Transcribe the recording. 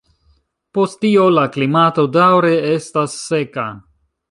Post tio la klimato daŭre estas seka.